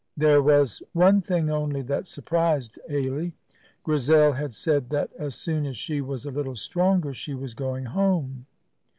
There was one thing only that surprised Ailie. Grizel had said that as soon as she was a little stronger she was going home.